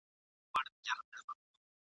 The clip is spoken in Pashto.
یو ناڅاپه سوه را ویښه له خوبونو ..